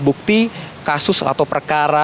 bukti kasus atau perkara orang lain